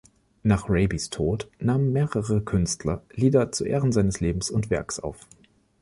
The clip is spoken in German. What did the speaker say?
Nach Rabies Tod nahmen mehrere Künstler Lieder zu Ehren seines Lebens und Werks auf.